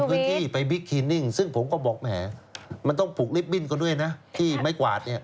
พื้นที่ไปบิ๊กคลินิ่งซึ่งผมก็บอกแหมมันต้องปลูกลิฟตบิ้นก็ด้วยนะที่ไม้กวาดเนี่ย